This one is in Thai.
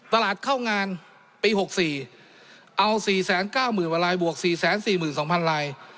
ตลาดเข้างานปีหกสี่เอาสี่แสนเก้าหมื่นวันลายบวกสี่แสนสี่หมื่นสองพันลาย